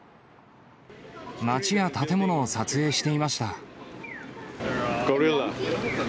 街や建物を撮影していました。